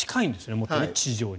もっと地上に。